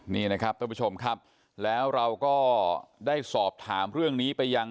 นี่นะครับท่านผู้ชมครับแล้วเราก็ได้สอบถามเรื่องนี้ไปยัง